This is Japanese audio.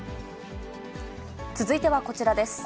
続いてはこちらです。